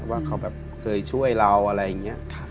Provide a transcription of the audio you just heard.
ว่าเขาแบบเคยช่วยเราอะไรอย่างนี้